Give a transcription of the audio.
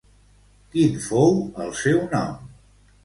Quin fou el seu nom?